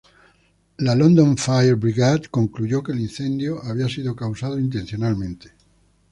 La London Fire Brigade concluyó que el incendio fue causado intencionalmente.